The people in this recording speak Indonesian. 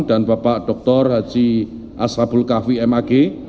dan bapak dr haji ashabul kahwi mag